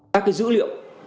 các cái dữ liệu